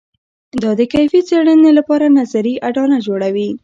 دا د کیفي څېړنې لپاره نظري اډانه جوړوي.